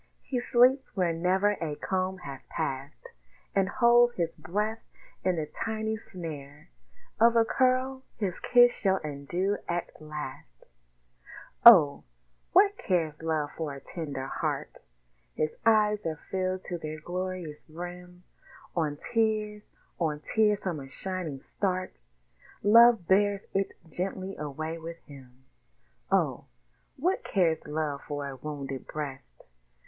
He sleeps where never a comb has passed, And holds his breath in the tiny snare Of a curl his kiss shall undo at last Oh! what cares Love for a tender heart? His eyes are filled to their glorious brim; On tears, on tears from a shining start Love bears it gently away with him. Oh! what cares Love for a wounded breast?